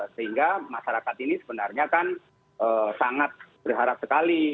sehingga masyarakat ini sebenarnya kan sangat berharap sekali